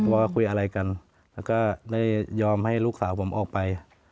ว่าคุยอะไรกันแล้วก็ได้ยอมให้ลูกสาวผมออกไป